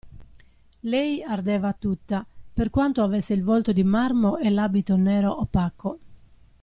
Lei ardeva tutta, per quanto avesse il volto di marmo e l'abito nero, opaco.